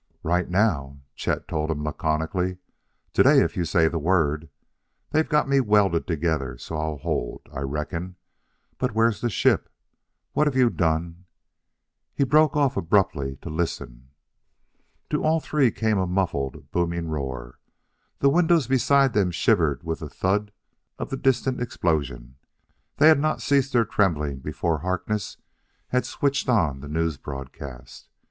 "Right now," Chet told him laconically; "today, if you say the word. They've got me welded together so I'll hold, I reckon. But where's the ship? What have you done " He broke off abruptly to listen To all three came a muffled, booming roar. The windows beside them shivered with the thud of the distant explosion; they had not ceased their trembling before Harkness had switched on the news broadcast.